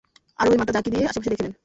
আরোহী মাথা ঝাঁকি দিয়ে আশেপাশে দেখে নেন।